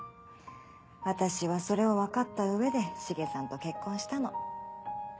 私はそれをわかったうえでシゲさんと結婚したの。